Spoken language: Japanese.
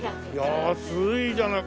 安いじゃない。